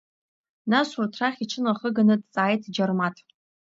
Нас урҭ рахь иҽынахыганы дҵааит Џьармаҭ.